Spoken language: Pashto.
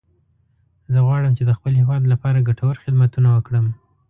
زه غواړم چې د خپل هیواد لپاره ګټور خدمتونه وکړم